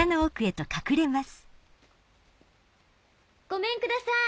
ごめんください。